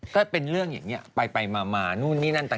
ก็เป็นเรื่องอย่างนี้ไปมานู่นนี่นั่นต่าง